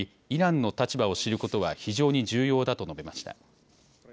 イランの立場を知ることは非常に重要だと述べました。